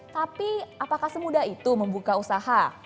tapi apakah semudah itu membuka usaha